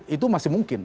itu masih mungkin